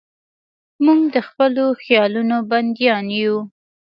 موږ د خپلو خیالونو بندیان یو.